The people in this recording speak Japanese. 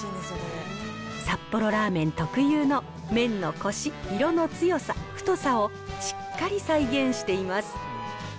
札幌ラーメン特有の麺のコシ、色の強さ、太さをしっかり再現しています。